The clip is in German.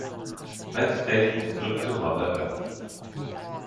Matt Deighton gründete Mother Earth.